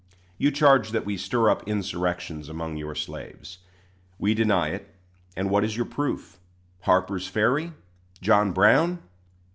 You charge that we stir up insurrections among your slaves. We deny it; and what is your proof? Harper's Ferry! John Brown!